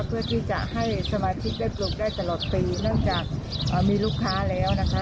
เพื่อที่จะให้สมาชิกได้ปลูกได้ตลอดปีเนื่องจากมีลูกค้าแล้วนะคะ